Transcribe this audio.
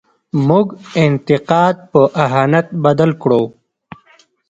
موږ انتقاد په اهانت بدل کړو.